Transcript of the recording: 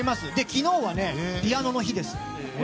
昨日はピアノの日です。